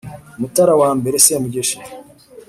mutara wa mbere semugeshi